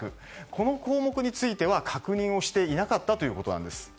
この項目については確認をしていなかったということなんです。